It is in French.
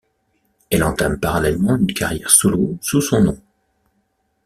Elle entame parallèlement une carrière solo sous son nom.